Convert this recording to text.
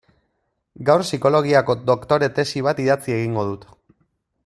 Gaur psikologiako doktore tesi bat idatzi egingo dut.